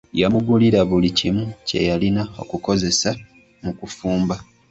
Yamugulira buli kimu kye yalina okukozesa mu kufumba.